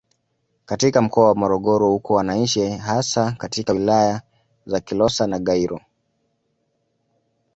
Katika mkoa wa Morogoro huko wanaishi hasa katika wilaya za Kilosa na Gairo